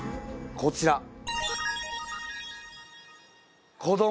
こちら